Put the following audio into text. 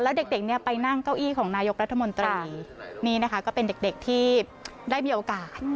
แล้วเด็กเนี่ยไปนั่งเก้าอี้ของนายกรัฐมนตรีนี่นะคะก็เป็นเด็กที่ได้มีโอกาส